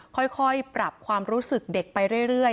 ค่อยปรับความรู้สึกเด็กไปเรื่อย